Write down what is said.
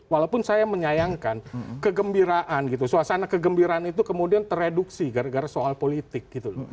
walaupun saya menyayangkan kegembiraan gitu suasana kegembiraan itu kemudian tereduksi gara gara soal politik gitu loh